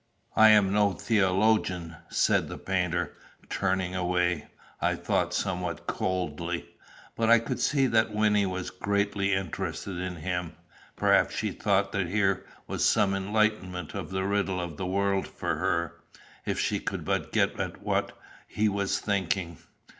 "I am no theologian," said the painter, turning away, I thought somewhat coldly. But I could see that Wynnie was greatly interested in him. Perhaps she thought that here was some enlightenment of the riddle of the world for her, if she could but get at what he was thinking.